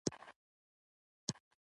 ایا زه باید د ادرک چای وڅښم؟